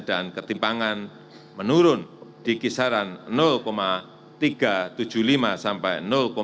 dan ketimpangan menurun di kisaran tiga ratus tujuh puluh lima sampai tiga ratus delapan puluh